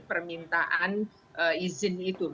bahwa siapa yang meminta izin